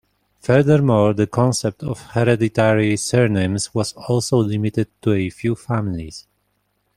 Furthermore, the concept of hereditary surnames was also limited to a few families.